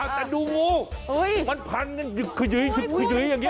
แต่ดูงูมันพันอยู่อย่างนี้